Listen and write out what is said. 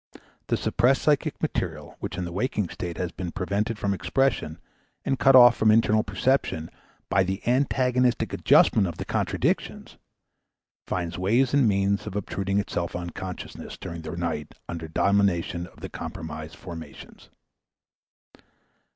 The suppressed psychic material, which in the waking state has been prevented from expression and cut off from internal perception by the antagonistic adjustment of the contradictions, finds ways and means of obtruding itself on consciousness during the night under the domination of the compromise formations.